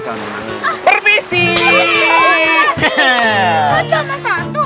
kau coba satu